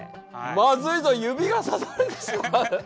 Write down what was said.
まずいぞ指が刺されてしまう！